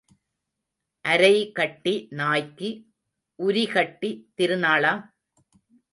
அரைகட்டி நாய்க்கு உரிகட்டித் திருநாளா?